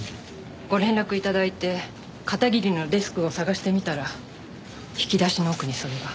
ご連絡頂いて片桐のデスクを探してみたら引き出しの奥にそれが。